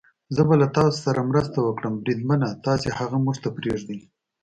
زه به له تاسو سره مرسته وکړم، بریدمنه، تاسې هغه موږ ته پرېږدئ.